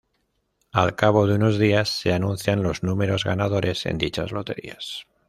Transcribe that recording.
Al cabo de unos días se anuncian los números ganadores en dichas loterías.